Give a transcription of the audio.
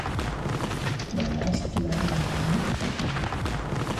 The last player remaining is the winner.